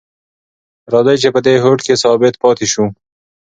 راځئ چې په دې هوډ کې ثابت پاتې شو.